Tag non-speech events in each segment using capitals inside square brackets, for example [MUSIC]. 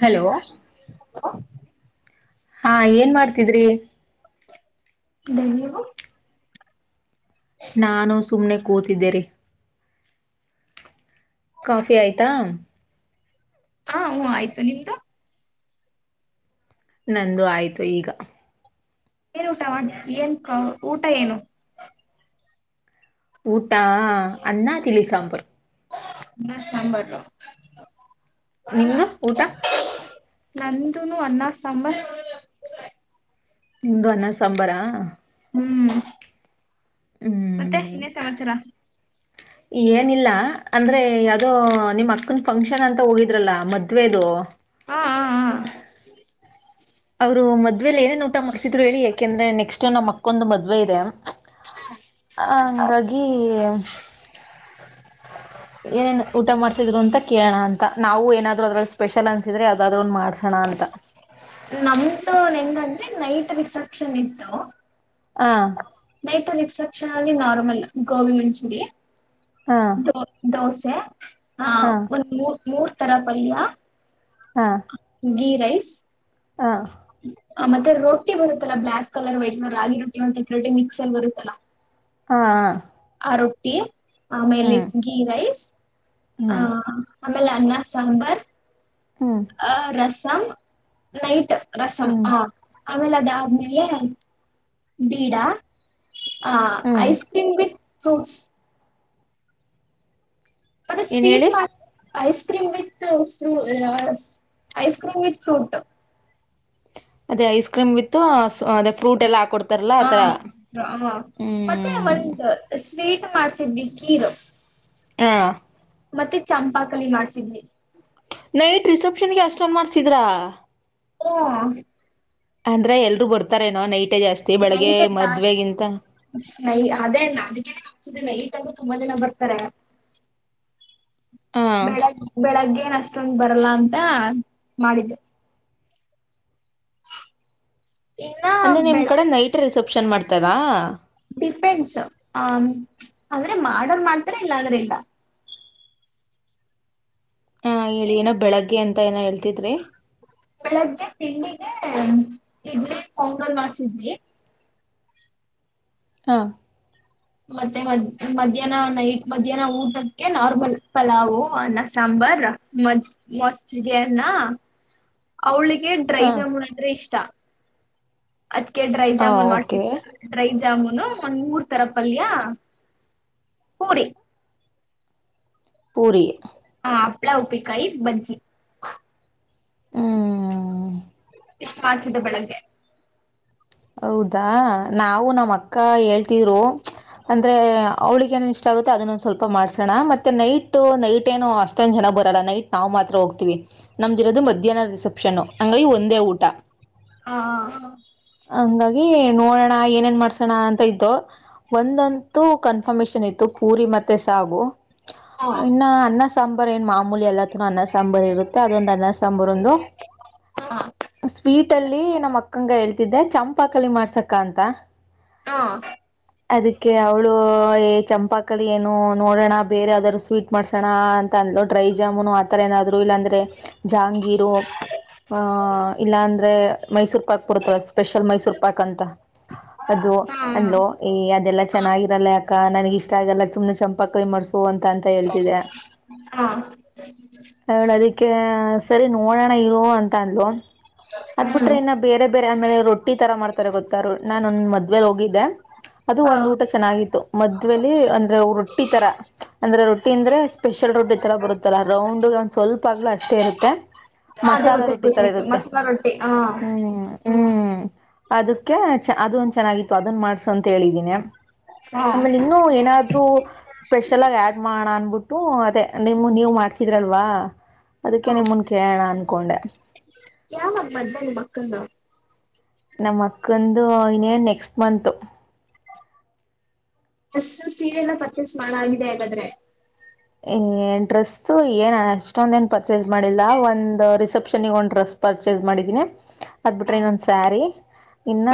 Hello ಹ [UNINTELLIGIBLE] ಹಾ ಏನ್ ಮಾಡ್ತಿದ್ರಿ ನೀವು [UNINTELLIGIBLE] ನಾನು ಸುಮ್ನೆ ಕೂತಿದ್ದೇರಿ ಕಾಫಿ ಆಯ್ತಾ ಹಾ ಹ ಆಯ್ತು ನಿಮ್ದು ನಂದು ಆಯ್ತು ಈಗ ಏನ್ ಊಟ ಏನ್ ಕ ಊಟ ಏನು ಪಊಟಾ ಅಣ್ಣಾ ತಿಳಿ ಸಾಂಬಾರ ನ ಸಾಂಬಾರ ನಿಮ್ದು ಊಟ ನಂದನು ಅಣ್ಣ ಸಾಂಬಾರ್ ನಿಮ್ದು ಅನ್ನ ಸಾಂಬಾರಾ ಹ್ಮ್ ಮತ್ತೆ ಹ್ಮ್ ಇನ್ನೇ ಸಮಾಚಾರ ಏನಿಲ್ಲ ಅಂದ್ರೆ ಅದು ನಿಮ್ಮ ಅನ್ ಫಂಕ್ಷನ್ ಅಂತ ಹೋಗಿದ್ರಲ್ಲಾ ಮದ್ವೆದು ಹಾ ಹಾ ಹಾ ರೂಮಲ್ಲಿ ಅ್ರ ಏನ ಊಟ ಮಾಡಸಿದರು ಹೇಳ ಯಾಕೆಂದ್ರೆ ನೆಕ್ಸ್ಟ್ ನಮ್ಮ ಮಕ್ಕೊಂದು ಮದ್ವೆ ಇದೆ ಆ ಹಂಗಾಗಿ ಅ ನಾವು ಏನಾದ್ರು ಅದ್ರಲ್ಲಿ ಸ್ಪೆಷಲ್ ಅನ್ಸಿದ್ರೆ ಯಾವದಾದ್ರರು ಒನ್ ಮಾಡ್ಸೋಣ ಅಂತ ನಮ್ದು ನ ಹೆಂಗಂದ್ರೆ ನೈಟ್ ರಿಸೆಪ್ಷನ್ ಇಟ್ಟು ಹಾ ದೈತ ರಿಸೆಪ್ಷನ್ ಅಲ್ಲಿ ನಾರ್ಮಲ್ ಗೋಬಿ ಮಂಚೂರಿಯೆ ಹ ದ ದಾಸ್ ಚೆ ಹಾ ಹ ಒಂದ್ ಮೂರ್ ಮೂರ್ ತರಪಲ್ಯ ಹ ಗೀರೈಸ್ ಹಾ ಆ ಮತ್ತೆ ರೊಟ್ಟಿ ಬರುತ್ತಲ್ಲಾ ಬ್ಲ್ಯಾಕ್ ಕಲರ್ ವೈಟ್ ಕಲರ್ ರಾಗಿ ರೊಟ್ಟಿ ಮತ್ತೆ ಕ್ರೇಟಿ ಮಿಕ್ಸ್ ಅಲ್ಲಿ ಬರುತ್ತಲ ಹಾಆ ಆ ರೊಟ್ಟಿ ಆಮೇಲೆ ಗೀರೈಸ್ ಹ ಹ್ಮ್ ಹಾ ಅಮೇಲೆ ಅನ್ನ ಸಾಂಬಾರ್ ಹ್ಮ್ ಆ ರಸ್ ನಮ್ ನೈಟ್ ರಸಂ ಹ್ಮ್ ಹಾ ಆಮೇಲೆ ಆದದ್ಮೇಲೆ ಬೀಡ ಹಾ ಹ್ಮ್ ಐಸ್ ಕ್ರೀಮ್ ವಿತ್ ಫ್ರೂಟ್ಸ್ ಮತ್ತೆ ಏನ್ ಸ್ವೀಟ್ ಹೇಳಿ ಮಾ [INAUDIBLE] ಐಸ್ ಕ್ರೀಮ್ ವಿತ್ ಫ್ರೂ ಲಾಸ್ ಐಸ್ ಕ್ರೀಮ್ ವಿತ್ ಫ್ರೂಟ್ ಅದೆ ಐಸ್ ಕ್ರೀಮ್ ವಿತ್ ಥಾ ಅದೆ ಫ್ರೂಟ್ ಎಲ್ಲ ಹಾಕೊಡ್ತಾರಲ್ಲ ಆ ಆಥರ ಹ್ಮ್ ಟ್ವೀಟ್ ಮಾಡ್ಸಿದ್ವಿ ಕೀರು ಹಾ ಮತ್ತೆ ಚಂಪಾಕಲಿ ಮಾಡ್ಸಿದ್ವಿ ನೈಟ್ ರಿಸೇಪ್ಷನ್ಗೆ ಅಶ್ ಚಂದ್ ಮಾಡ್ಸಿದ್ರಾ ಹ ಅಂದ್ರೆ ಎಲ್ರುೂ ಬರ್ತಾರೇನೋ ನೈ ಟ್ಟೆ ಜಾಸ್ತಿ ಬೆಳಗ್ಗೆ ನೈಟ್ ಜಾ ಮದ್ವೆಗಿಂತ ನೈ ಅದೇನ ಅದಕ್ಕೇನೆ ಕಾಸುದಿಲ್ಲ ಈತಗೂ ತುಂಬಾ ಜನ ಬರ್ತಾರೆ ಹ ಬೆಳಗ್ ಬೆಳಗ್ಗೆ ಏನ್ ಅಷ್ಟೊಂದು ಬರಲ್ಲ ಅಂತ ಮಾಡಿದ್ದೆ ಇನ್ನ ಅಂದ್ರೆ ನಿಮ್ ಕಡೆ ಬೆಳಗ್ ನೈಟ್ ರಿಸೆಪ್ಷನ್ ಮಾಡ್ತಾರಾ ಅ್ರ ಮಾಡೋರ್ ಮಾಡ್ತಾರೆ ಇಲ್ಲ ಅಂದ್ರೆ ಇಲ್ಲ ಹಾ ಹೇಳಿ ಏನೋ ಬೆಳಗ್ಗೆ ಅಂತ ಅಂತ ಏನ ಹೇಳ್ತಿದ್ರಿ ಬೆಳಗ್ಗೆ ತಿಂಡಿಗೆ ಇಡ್ಲಿ ಪೊಂಗಲ್ ಮಾಡಸಿದ್ವಿ ಹಾ ಮತ್ತೆ ಮ ಮಧ್ಯಾಹ್ನ ನೈಟ್ ಮಧ್ಯಾಹ್ನ ಊಟಕ್ಕೆ ನಾರ್ಮಲ್ ಪಲಾವು್ ಅನ್ನ ಸಾಂಬಾರ್ ಮ್ ಮಜಿಗೆ ಅನ್ನ ಅವಳಿಗೆ ಗೆ ಡ್ರೈ ಹಾ ಜಾಮೂನ್ ಅಂದ್ರೆ ಇಷ್ಟ ಅದ್ಕ್ಕೆ ಡ್ರೈ ಹಾ ಜಾಮೂನ್ ಓಕೆ ಮಾಡ್ಸಿದ್ದ ಡ್ರೈ ಜಾಮೂನ್ ಒಂದ್ ಮೂರ್ ತರ ಪಲ್ಯ ಪೂರಿ ಪೂರಿ ಹಪ್ಪಳ ಉಪ್ಪಿನಕಾಯಿ ಬಂಜಿ ಹ್ಮ್ ಎಷ್ಟು ಮಾಡಸಿದ್ದ ಬೆಳಗ್ಗೆ ಹೌದಾ ನಾವು ನಮ್ಮ್ ಅಕ್ಕ ಹೇಳ್ತಿದ್ರು ಅಂದ್ರೆ ಅವ್ಳಿಗೆ ಏನನ್ ಇಷ್ಟ ಆಗುತ್ತೆ ಅದನ್ನೊಂದ ಸ್ವಲ್ಪ ಮಾಡ್ಸೋಣ ಮತ್ತೆ ನೈಟ್ ನೈಟ್ ಏನು ಅಷ್ಟೊಂದ ಜನ ಬರೋಲ್ಲ ನೈಟ್ ನಾ್ ಮಾತ್ರ ಹೋಗ್ತೀವಿ ನಮ್ [UNINTELLIGIBLE] ರೋದು ಮಧ್ಯಾಹ್ನದ ರಿಸ ಆಷನ್ನು ಹಂಗಾಗಿ ಒಂದೇ ಊಟ ಹ ಹಂಗಾಗಿ ನೋಡೋಣ ಏನೇನ್ ಮಾಡ್ಸೋಣ ಅಂತ ಇದ್ದು ಒಂದಂತೂ ಕನ್ಫರ್ಮೇಶನ್ ಇತ್ತು ಪೂರಿ ಮತ್ತೆ ಸಾಗು ಹ ಇನ್ನ ಅನ್ನ ಸಾಂಬಾರ ಏನ್ ಮಾಮೂಲಿ ಎಲ್ಲ ಅನ್ನ ಸಾಂಬಾರ ಇರುತ್ತೆ ಅದೊಂದು ಅನ್ನ ಸಾಂಬಾರ ಒಂದು ಹ ಸ್ವೀಟ್ ಅಲ್ಲಿ ನಮ್ಮ ಅಕ್ಕಗೆ ಹೇಳ್ತ ಚಂಪಾಕಳಿ ಮಾಡ್ಸಕ್ಕ ಅಂತ ಹಾ ಅದಕ್ಕೆ ಅವ್ಳು ಚಂಪಾಕಳಿ ಏನು ನೋಡೋಣ ಬೇರೆ ಯಾವ್ದಾದಾರರು ಸ್ವೀಟ್ ಮಾಡ್ಸೋಣ ಅಂತ ಅಂದ್ ಡ್ರೈ ಜಾಮೂನು ಆತರ ಏನಾದ್ರು ಇಲ್ಲಾಂದ್ರೆ ಜಹಾಂಗೀರು ಆ ಇಲ್ಲಾ ಅಂದ್ರೆ ಮೈಸೂರು ಪಾಕ್ ಬರುತ್ತಲ್ಲ ಸ್ಪೆಷಲ್ ಮೈಸೂರು ಪಾಕ್ ಅಂತ ಅದು ಹ ಹ ಅಂದ್ಲು ಅದೆಲ್ಲಾ ಚೆನ್ನಾಗಿರಲ್ಲ ನನಗ ಇಷ್ಟ ಆಗಲ್ಲ ಸುಮ್ಮನೆ ಚಂಪಾಕಳಿ ಮಾಡ್ಸು ಅಂತ ಅಂತ ಹೇಳ್ತಿದೆ ಅವ್ಳು ಅದಕ್ಕೆ ಸರಿ ನೋಡೋಣ ಇರುವ ಅಂತ ಅಂದ್ಲು ಅದ್ ಹ್ಮ್ ಬಿಟ್ರೆ ಇನ್ನು ಬೇರೆ ಬೇರೆ ಅಂದ್ರ್ ರೊಟ್ಟಿ ತರ ಮಾಡ್ತಾರೆ ಗೊತ್ತಾರ ನಾನು ಒಂದ ಮದ್ವೆೇಲ್ ಹೋಗಿದ್ದೆ ಅದು ಹ ಒಂದ್ ಊಟ ಚೆನ್ನಾಗಿತ್ತು ಮದ್ವೆೇಲಿ ಅಂದ್ರೆ ರೊಟ್ಟಿ ತರ ಅಂದ್ರೆ ರೊಟ್ಟಿ ಅಂದ್ರೆ ಸ್ಪೆಷಲ್ ರೊಟ್ಟಿ ತರ ಬರುತ್ತಲ್ಲ ರೌಂಡ್ ಒಂದ್ ಸ್ವಲ್ಪ ಅಗ್ಲ ಅಷ್ಟೇ ಇರುತ್ತೆ ಹ ಅದೇ ಮಸಾಲ ಗೊತ್ತಾಯ್ತು ರೊಟ್ಟಿ ಥರ ಗೊತ್ತಾಯ್ತು ಇರುತ್ತೆ ಮಸಾಲಾ ರೊಟ್ಟಿ ಹಾ ಹ್ಮ್ ಹ್ಮ್ ಅದಕ್ಕೆ ಅದು ಒಂದ ಚೆನ್ನಾಗಿತ್ತು ಅದನ್ ಮಾಡ್ಸು ಅಂತ ಹೇಳಿದೀನಿ ಹ ಆಮೇಲೆ ಇನ್ನು ಏನಾದೂ ಸ್ಪೆಷಲ್ ಆಗ ಆಡ್ ಮಾಡೋಣ ಅನ್ಬಿಟ್ಟು ಅದೇ ನಿಮ್ಮ ನೀವು ಮಾಡ್ಸಿದ್ರಲ್ವಾ ಅದಕ್ಕೆ ನಿಮನ್ ಕೇಳೋಣ ಅನ್ಕೊಂಡೆ ಯಾವಾಗ ಮದ್ವೆ ನಿಮ್ ಅಕ್ಕಂದು ನಮ್ಮ ಅಕ್ಕಂದು ಇನೇನ್ ನೆಕ್ಸ್ಟ್ ಮಂತು ಡ್ರೆಸ್ ಸೀರೆ ಎಲ್ಲ ಪರ್ಚೇಸ್ ಮಾಡಾಗಿದೆ ಹಾಗಾದ್ರೆ ಏನ್ ಡ್ರೆಸ್ ಏನ್ ಅಷ್ಟೊಂದ ಏನ್ ಪರ್ಚೇಸ್ ಮಾಡಿಲ್ಲ ಒಂದ್ ರಿಸೆಪ್ಷನ್ಗ ಒಂದ್ ಡ್ರೆಸ್ ಪರ್ಚೇಸ್ ಮಾಡಿದೀನಿ ಅದು ಬಿಟ್ರೆ ಹ್ಮ್ ಇನ್ನೊಂದ್ ಸ್ಯಾರಿ ಇನ್ನ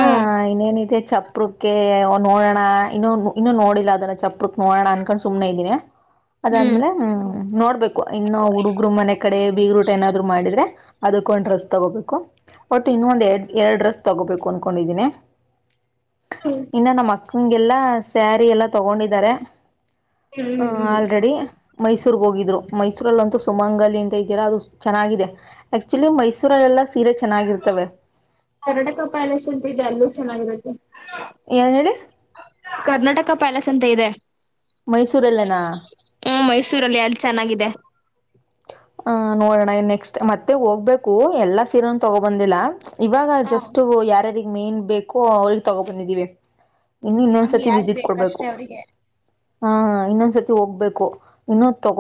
ಇನ್ನೇನಿದೆ ಚಪ್ಪ್ರಕ್ಕೆ ನೋಡೋಣ ಇನ್ನು ಇನ್ನು ನೋಡಿಲ್ಲ ಅದಲ್ಲ ಚಪ್ಪ್ರಕ್ ನೋಡೋಣ ಅನ್ಕೊಂಡ್ ಸುಮ್ನೆ ಇದೀನಿ. ಹ್ಮ್ ಅದಾದ್ಮೇಲೆ ಮ್ ನೋಡ್ಬೇಕು ಇನ್ನು ಹುಡುಗ್ರು ಮನೆ ಕಡೆ ಬಿಗರ್ ಊಟ ಏನಾದ್ರು ಮಾಡಿದ್ರೆ ಅದುಕ್ಕೊಂದ್ ಡ್ರೆಸ್ ತಗೋಬೇಕು ಒಟ್ ಇನ್ನೊಂದ್ ಎಡ್ ಎರಡ್ ಡ್ರೆಸ್ ತಗೋಬೇಕು ಅನ್ಕೊಂಡಿದೀನಿ. ಇನ್ನ ನಮ್ಮ ಅಕ್ಕಂಗೆಲ್ಲಾ ಸ್ಯಾರಿ ಎಲ್ಲಾ ತಗೊಂಡಿದ್ದಾರೆ. ಹ್ಮ್ ಹ್ಮ್ ಆಲ್ರೆಡಿ ಮೈಸೂರ್ ಹೋಗಿದ್ರು ಮೈಸೂರಲ್ಲಿ ಅಂತೂ ಸುಮಂಗಲಿ ಅಂತ ಇದೀಯಲ ಅದು ಚೆನ್ನಾಗಿದೆ ಆಕ್ಚುಲಿ ಮೈಸೂರಲ್ಲೆಲ್ಲಾ ಸೀರೆ ಚೆನ್ನಾಗಿರ್ತವೆ. ಕರ್ನಾಟಕ ಪ್ಯಾಲೇಸ್ ಅಂತ ಇದೆ ಆಲ್ಲೂ ಚೆನ್ನಾಗಿರುತ್ತೆ. ಏನ್ ಹೇಳಿ ಕರ್ನಾಟಕ ಪ್ಯಾಲಸ್ ಅಂತ ಇದೆ ಮೈಸೂರ ಅಲ್ಲೇನಾ ರಲ್ಲಿ ಅಲ್ ಚೆನ್ನಾಗಿದೆ. ಹ ನೋಡೋಣ ನೆಕ್ಸ್ಟ್ ಮತ್ತೆ ಹೋಗ್ಬೇಕು ಎಲ್ಲಾ ಸೀರೆನು ತಗೋ ಬಂದಿಲ್ಲ. ಇವಾಗ ಜಸ್ಟ್ ಯಾರ್ಯಾರಿಗ್ ಮೇನ್ ಬೇಕು ಅವ್ರಿಗ್ ತಗೋ ಬಂದಿದ್ದೀವಿ ಇನ್ನು ಇನ್ನೊಂದ್ಸತಿ ವಿಸಿಟ್ ಕೊಡ್ಬೇಕು ಹಾ ಇನ್ನೊಂದ್ಸತಿ ಹೋಗ್ಬೇಕು ಇನ್ನು ತಗೊ